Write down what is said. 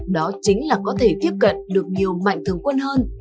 đó chính là có thể tiếp cận được nhiều mạnh thường quân hơn